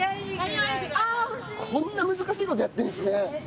こんな難しいことやってるんですね。